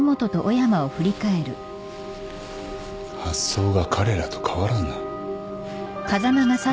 発想が彼らと変わらんな。